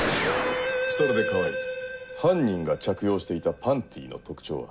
それで川合犯人が着用していたパンティの特徴は？